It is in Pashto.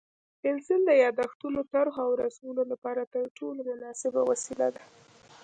پنسل د یادښتونو، طرحو او رسمونو لپاره تر ټولو مناسبه وسیله ده.